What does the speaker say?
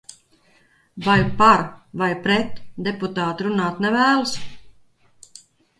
"Vai "par" vai "pret" deputāti runāt nevēlas?"